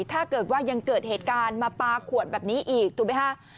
ถ้าเกิดว่ายังเกิดเหตุการณ์มาปลาขวดแบบนี้อีกถูกไหมฮะ